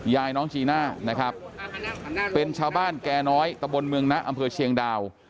ยายน้องจีน่านะครับเป็นชาวบ้านแก่น้อยตะบนเมืองนะอำเภอเชียงดาว